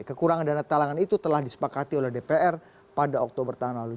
kekurangan dana talangan itu telah disepakati oleh dpr pada oktober tahun lalu